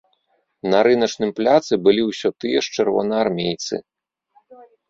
На рыначным пляцы былі ўсё тыя ж чырвонаармейцы.